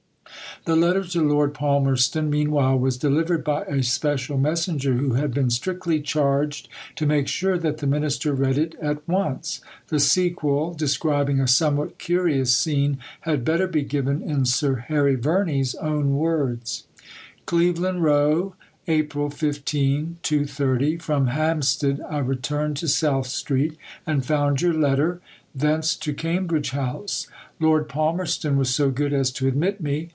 The letter to Lord Palmerston, meanwhile, was delivered by a special messenger, who had been strictly charged to make sure that the Minister read it at once. The sequel, describing a somewhat curious scene, had better be given in Sir Harry Verney's own words: CLEVELAND ROW, Ap. 15 [2.30]. From Hampstead I returned to South Street, and found your letter. Thence to Cambridge House. Lord Palmerston was so good as to admit me.